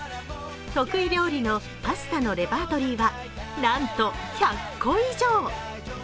得意料理のパスタのレパートリーは、なんと１００個以上。